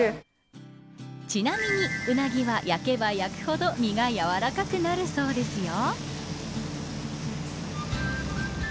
ちなみにウナギは焼けば焼くほど身がやわらかくなるそうですよ。